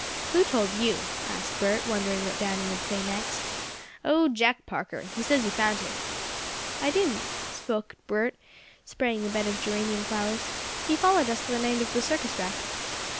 "Who told you?" asked Bert, wondering what Danny would say next. "Oh, Jack Parker. He says you found him." "I didn't," spoke Bert, spraying a bed of geranium flowers. "He followed us the night of the circus wreck."